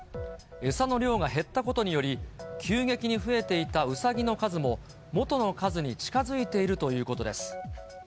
餌の量が減ったことにより、急激に増えていたウサギの数も、元の数に近づいているということです。